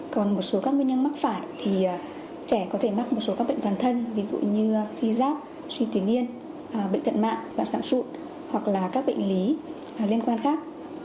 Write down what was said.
còn một số các nguyên nhân mắc phải thì trẻ có thể mắc một số các bệnh toàn thân ví dụ như suy giáp suy tuy miên bệnh tận mạng bạc sản sụn hoặc là các bệnh lý liên quan khác